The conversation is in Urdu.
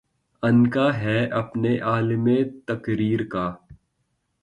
عنقا ہے اپنے عالَمِ تقریر کا